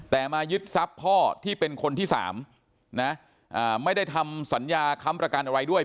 แต่มายึดทรัพย์พ่อที่เป็นคนที่สามนะไม่ได้ทำสัญญาค้ำประกันอะไรด้วย